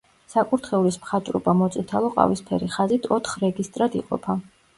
საკურთხევლის მხატვრობა მოწითალო-ყავისფერი ხაზით ოთხ რეგისტრად იყოფა.